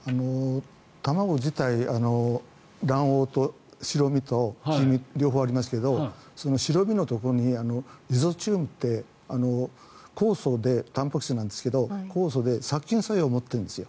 卵自体、卵黄と白身と黄身両方ありますけど白身のところに、リゾチームってたんぱく質なんですが、酵素で殺菌作用を持っているんですよ。